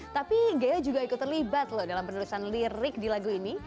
tapi ghea juga ikut terlibat loh dalam penulisan lirik di lagu ini